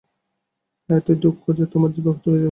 হ্যাঁ, এতই দুঃখ যে তোমার জিহ্বা ঝুলে পড়ছিল।